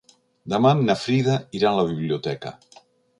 Demà na Frida irà a la biblioteca.